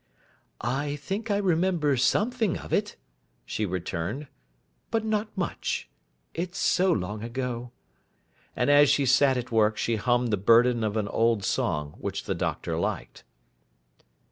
'I think I remember something of it,' she returned, 'but not much. It's so long ago.' And as she sat at work, she hummed the burden of an old song, which the Doctor liked.